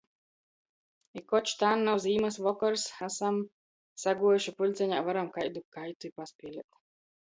I koč tān nav zīmys vokors, asom saguojuši pulceņā, varom kaidu kaitu i paspielēt.